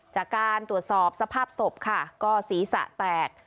จากการตรวจสอบสภาพศพค่ะก็ศีรษะแตก